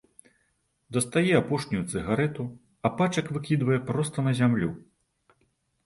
Дастае апошнюю цыгарэту, а пачак выкідвае проста на зямлю.